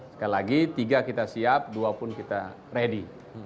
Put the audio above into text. sekali lagi tiga kita siap dua pun kita ready